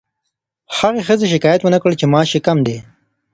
هغې ښځې شکایت ونه کړ چې معاش یې کم دی.